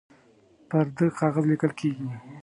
پر ده کاغذ لیکل کیږي